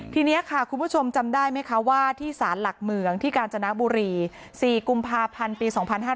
ทีนี้ค่ะคุณผู้ชมจำได้ไหมคะว่าที่สารหลักเมืองที่กาญจนบุรี๔กุมภาพันธ์ปี๒๕๕๙